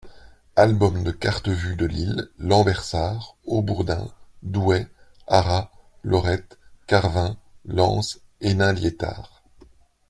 Albums de cartes vue de Lille, Lambersart, Haubourdin, Douai, Arras, Lorette, Carvin, Lens, Hénin-Liétard.